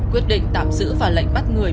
quyết định tạm giữ và lệnh bắt người